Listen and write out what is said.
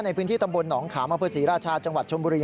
ในพื้นที่ตำบลหนองขามอำเภอศรีราชาจังหวัดชมบุรี